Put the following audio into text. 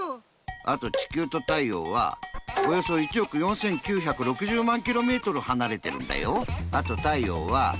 あとちきゅうと太陽はおよそ１億４９６０万ｋｍはなれてるんだよ。